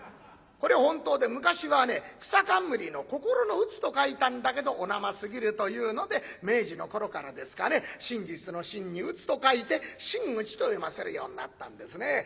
これ本当で昔はねくさかんむりの心の打つと書いたんだけどお生すぎるというので明治の頃からですかね真実の真に打つと書いて「真打」と読ませるようになったんですね。